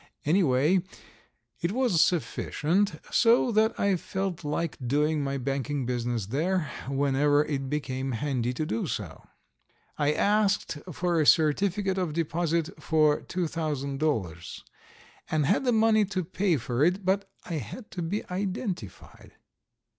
Anyway, it was sufficient, so that I felt like doing my banking business there whenever it became handy to do so. I asked for a certificate of deposit for $2,000, and had the money to pay for it, but I had to be identified.